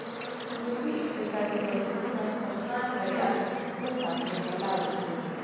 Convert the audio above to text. روسي اقتصادي بنسټونه په خان رعیت سیستم باندې ولاړ و.